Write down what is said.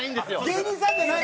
芸人さんじゃない。